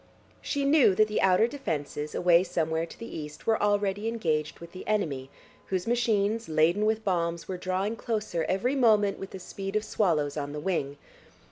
She knew that the outer defences, away somewhere to the east, were already engaged with the enemy, whose machines, laden with bombs, were drawing closer every moment with the speed of swallows on the wing.